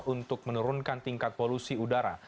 untuk menurunkan tingkat polusi udara